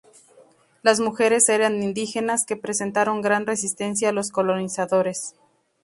Las mujeres eran indígenas, que presentaron gran resistencia a los colonizadores.